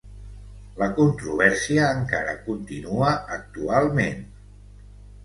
La controvèrsia encara continua actualment.